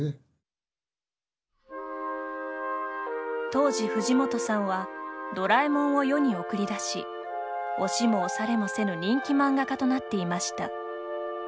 当時藤本さんは「ドラえもん」を世に送り出し押しも押されもせぬ人気漫画家となっていました。